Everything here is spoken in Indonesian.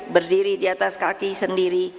berdiri di atas kaki sendiri